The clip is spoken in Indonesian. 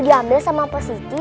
diambil sama pasiti